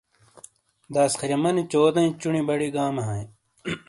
داسخریمانی چودٸیں چُونی بڑیٸے گامے ہاٸیں ۔